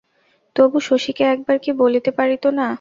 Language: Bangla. তবু, শশীকে একবার কি বলিতে পারিত না?